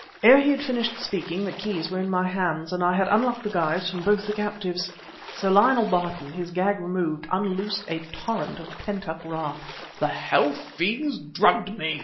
Ere he had finished speaking, the keys were in my hands, and I had unlocked the gyves from both the captives. Sir Lionel Barton, his gag removed, unloosed a torrent of pent up wrath. "The hell fiends drugged me!"